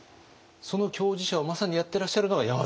その共事者をまさにやってらっしゃるのが山崎さん。